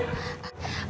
oh gitu ya pak